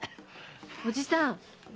おじさん。